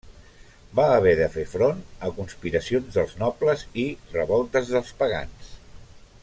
Va haver de fer front a conspiracions dels nobles i revoltes dels pagans.